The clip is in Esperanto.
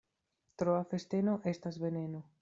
Troa festeno estas veneno.